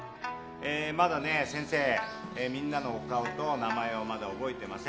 えーみんなのお顔と名前をまだ覚えてません。